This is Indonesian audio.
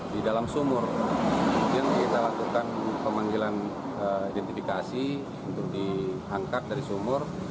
di dalam sumur kemudian kita lakukan pemanggilan identifikasi untuk diangkat dari sumur